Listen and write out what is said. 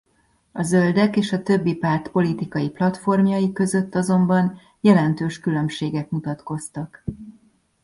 A Zöldek és a többi párt politikai platformjai között azonban jelentős különbségek mutatkoztak.